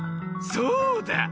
そうだ！